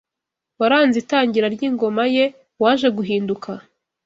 waranze itangira ry’ingoma ye waje guhinduka